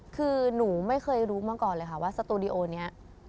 คือหนูไม่เคยรู้มาก่อนเลยค่ะว่าสตูดิโอนี้